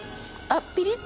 ピリッ。